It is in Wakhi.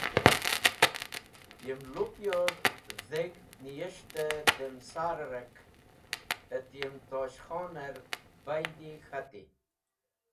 Yem lupyor dheg̃h niyes̃hte dem sar-e ark et yem Tosh Khoner baydi k̃hatey.